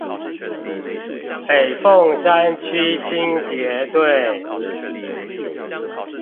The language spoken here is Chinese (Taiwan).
北鳳山區清潔隊